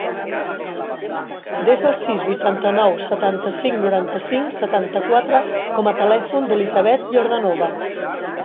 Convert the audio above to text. Desa el sis, vuitanta-nou, setanta-cinc, noranta-cinc, setanta-quatre com a telèfon de l'Elisabeth Yordanova.